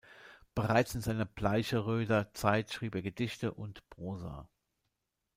Bereits in seiner Bleicheröder Zeit schrieb er Gedichte und Prosa.